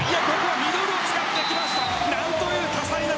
ミドルを使ってきました。